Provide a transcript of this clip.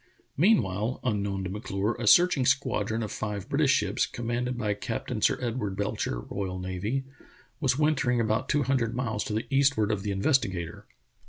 Meanwhile, unknown to M*Clure, a searching squad ron of five British ships, commanded by Captain Sir Edward Belcher, R.N., was wintering about two hun dred miles to the eastward of the Investigator.